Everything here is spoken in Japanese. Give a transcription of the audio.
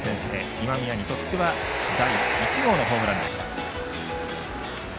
今宮にとっては第１号のホームランでした。